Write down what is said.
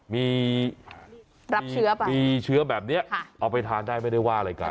มีเชื้อแบบนี้เอาไปทานได้ไม่ได้ว่าอะไรกัน